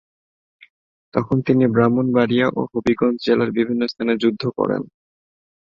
তখন তিনি ব্রাহ্মণবাড়িয়া ও হবিগঞ্জ জেলার বিভিন্ন স্থানে যুদ্ধ করেন।